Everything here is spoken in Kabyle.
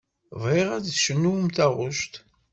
Bɣiɣ ad d-tecnum taɣect.